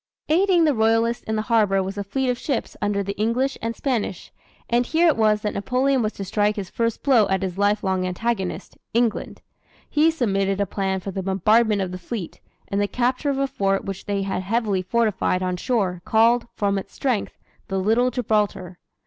Aiding the royalists in the harbor was a fleet of ships under the English and Spanish; and here it was that Napoleon was to strike his first blow at his life long antagonist, England. He submitted a plan for the bombardment of the fleet, and the capture of a fort which they had heavily fortified on shore, called, from its strength, "the little Gibraltar."